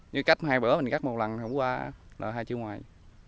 như cách hai bữa mình cách một lần là hai triệu ngoài